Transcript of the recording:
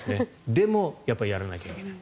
でもやらなきゃいけない。